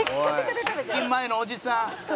「出勤前のおじさん」